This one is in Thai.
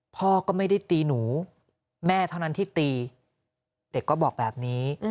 พ่อก็ไม่ได้ตีหนูแม่เท่านั้นที่ตีเด็กก็บอกแบบนี้